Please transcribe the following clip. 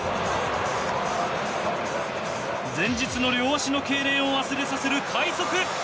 前日の両足のけいれんを忘れさせる快足。